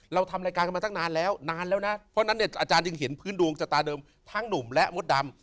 เราทำรายการกันมาตั้งนานแล้วนานแล้วนะเพราะฉะนั้นเนี่ยอาจารย์ยังเห็นพื้นดวงชะตาเดิมทั้งหนุ่มและมดดำ